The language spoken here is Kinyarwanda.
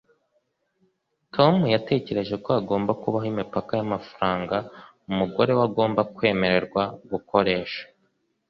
tom yatekereje ko hagomba kubaho imipaka y'amafaranga umugore we agomba kwemererwa gukoresha